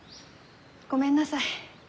ごめんなさい。